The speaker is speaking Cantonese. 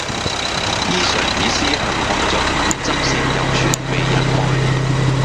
衣裳已施行看盡，針線猶存未忍開。